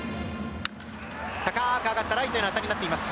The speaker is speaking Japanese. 高ーく上がったライトへの当たりになっています